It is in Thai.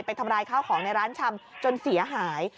ทำร้ายข้าวของในร้านชำจนเสียหาย